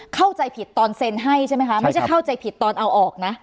เข้าใจผิดตอนเซ็นให้ใช่ไหมคะไม่ใช่เข้าใจผิดตอนเอาออกนะ